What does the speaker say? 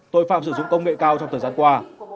tội phạm sử dụng công nghệ cao trong thời gian qua